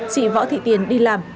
chị võ thị tiên đi làm